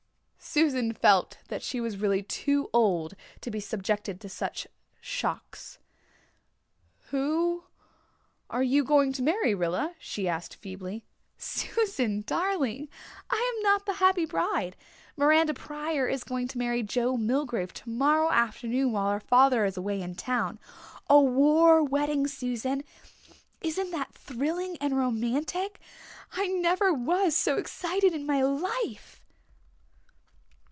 Susan felt that she was really too old to be subjected to such shocks. "Who are you going to marry, Rilla?" she asked feebly. "Susan, darling, I am not the happy bride. Miranda Pryor is going to marry Joe Milgrave tomorrow afternoon while her father is away in town. A war wedding, Susan isn't that thrilling and romantic? I never was so excited in my life."